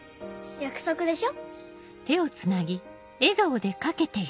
約束でしょ